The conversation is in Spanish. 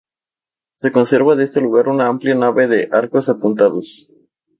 Se conserva de este lugar una amplia nave con arcos apuntados.